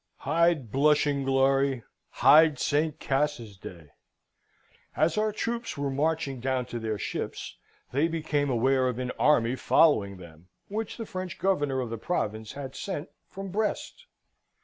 Hide, blushing glory, hide St. Cas's day! As our troops were marching down to their ships they became aware of an army following them, which the French governor of the province had sent from Brest.